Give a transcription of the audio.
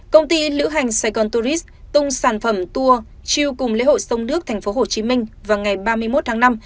công ty lữ hành saigon tourist tung sản phẩm tour chiêu cùng lễ hội sông nước tp hcm vào ngày ba mươi một tháng năm